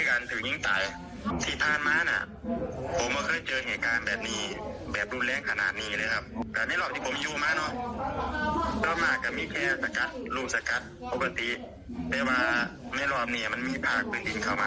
ในรับที่ผมขึ้นหมาเนอะเริ่มมากกับมีแค่ลูกสกัด